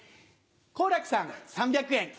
好楽さん、３００円。